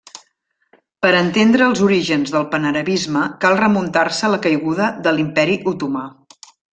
Per entendre els orígens del panarabisme, cal remuntar-se a la caiguda de l'imperi Otomà.